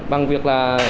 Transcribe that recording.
bằng việc là